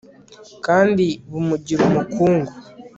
kandi bumugira umukungu